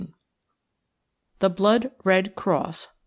II. – THE BLOOD RED CROSS.